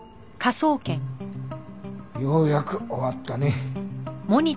ようやく終わったね。